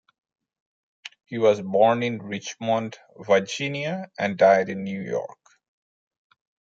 He was born in Richmond, Virginia and died in New York.